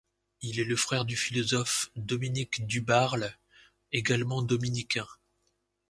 Il est le frère du philosophe Dominique Dubarle, également dominicain.